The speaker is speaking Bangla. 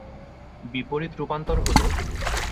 বিপরীত রূপান্তর হলো